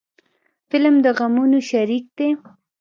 فلم د غمونو شریک دی